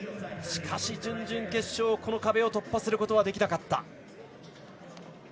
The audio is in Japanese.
しかし、準々決勝この壁を突破することはできなかった。